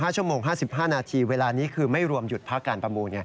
๕ชั่วโมง๕๕นาทีเวลานี้คือไม่รวมหยุดพักการประมูลไง